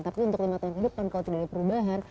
tapi untuk lima tahun ke depan kalau tidak ada perubahan